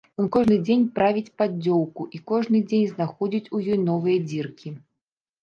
Ён кожны дзень правіць паддзёўку і кожны дзень знаходзіць у ёй новыя дзіркі.